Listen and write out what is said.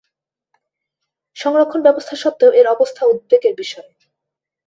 সংরক্ষণ ব্যবস্থা সত্ত্বেও এর অবস্থা উদ্বেগের বিষয়।